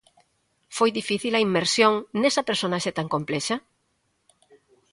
Foi difícil a inmersión nesa personaxe tan complexa?